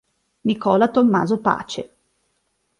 Nicola Tommaso Pace